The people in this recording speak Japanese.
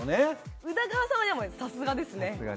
宇田川さんは、でもさすがですね。